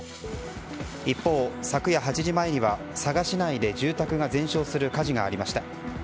一方、昨夜８時前には佐賀市内で住宅が全焼する火事がありました。